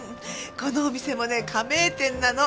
このお店もねえ加盟店なの。